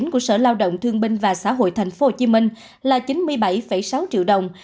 của sở lao động thương binh và xã hội tp hcm là chín mươi bảy sáu triệu đồng